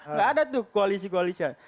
nggak ada tuh koalisi koalisinya